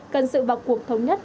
cần sự vào cuộc thống nhất